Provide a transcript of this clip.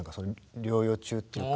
療養中っていうか。